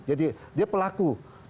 jadi dia pelaku